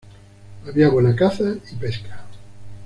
Había buena caza y pesca.